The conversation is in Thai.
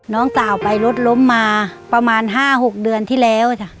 น้องสาวไปรถล้มมาประมาณ๕๖เดือนที่แล้วจ้ะ